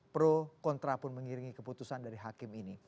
pro kontra pun mengiringi keputusan dari hakim ini